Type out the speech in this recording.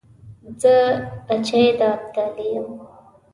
زه بچی د ابدالي یم .